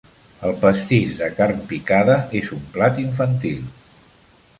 El pastís de carn picada és un plat infantil.